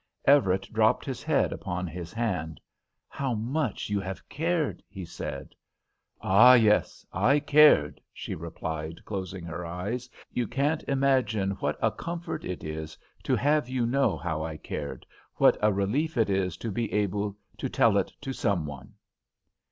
Everett dropped his head upon his hand. "How much you have cared!" he said. "Ah, yes, I cared," she replied, closing her eyes. "You can't imagine what a comfort it is to have you know how I cared, what a relief it is to be able to tell it to some one."